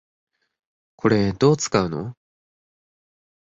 これ、どう使うの？